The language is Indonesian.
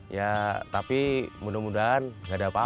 ya tapi mudah mudahan gak ada apa apa